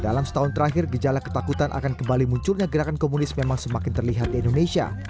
dalam setahun terakhir gejala ketakutan akan kembali munculnya gerakan komunis memang semakin terlihat di indonesia